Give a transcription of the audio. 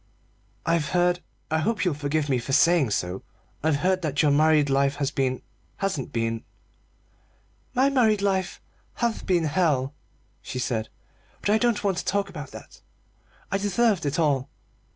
"I've heard I hope you'll forgive me for saying so I've heard that your married life has been hasn't been " "My married life has been hell," she said; "but I don't want to talk about that. I deserved it all."